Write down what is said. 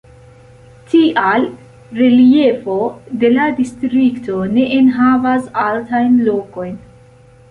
Tial reliefo de la distrikto ne enhavas altajn lokojn.